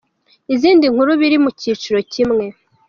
Izindi nkuru biri mu cyiciro kimwe:.